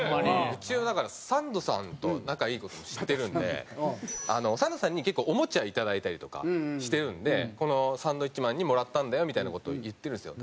うちはだからサンドさんと仲いい事知ってるんでサンドさんに結構オモチャいただいたりとかしてるんでサンドウィッチマンにもらったんだよみたいな事を言ってるんですよ。